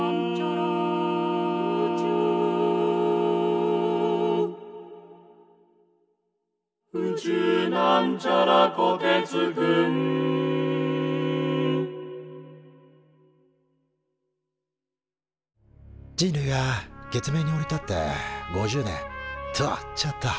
「宇宙」人類が月面に降り立って５０年とちょっと。